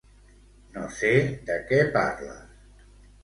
No sé de què parles.